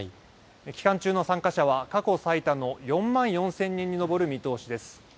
期間中の参加者は過去最多の４万４０００人に上る見通しです。